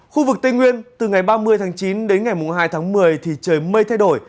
khu vực tây nguyên từ ngày ba mươi tháng chín đến ngày hai tháng một mươi thì trời mây thay đổi